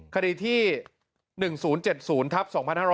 คดีที่๑๐๗๐ครับ